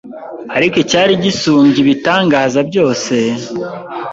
Ariko icyari gisumbye ibitangaza byose,